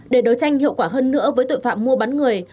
để đấu tranh hiệu quả hơn nữa với tội phạm mua bán người